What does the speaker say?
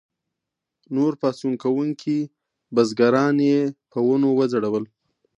نور پاڅون کوونکي بزګران یې په ونو وځړول.